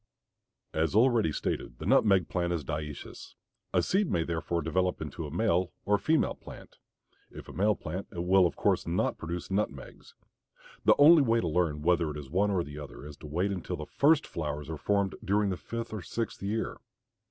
As already stated the nutmeg plant is dioecious. A seed may therefore develop into a male or female plant; if a male plant it will of course not produce nutmegs. The only way to learn whether it is one or the other is to wait until the first flowers are formed during the fifth or sixth year.